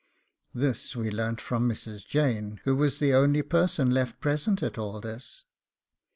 This we learned from Mrs. Jane, who was the only person left present at all this.